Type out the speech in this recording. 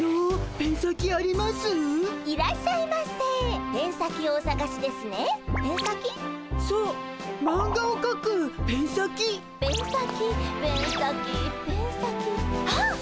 「ペン先ペン先ペン先」はっ！